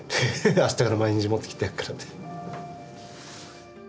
あしたから毎日持ってきてやっからって。